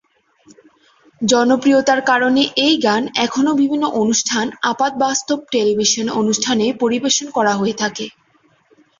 জনপ্রিয়তার কারণে এই গান এখনো বিভিন্ন অনুষ্ঠান, আপাতবাস্তব টেলিভিশন অনুষ্ঠানে পরিবেশন করা হয়ে থাকে।